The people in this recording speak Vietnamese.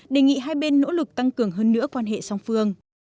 đề nghị hai bên nỗ lực tăng cường hơn nữa quan hệ song phương